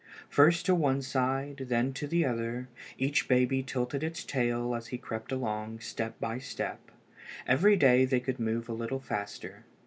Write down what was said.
First to one side, then to the other, each baby tilted his tail as he crept along, step by step. Every day they could move a little faster.